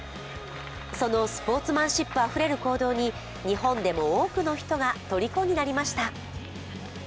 そのスポーツマンシップあふれる行動に日本でも多くの人がとりこになりました。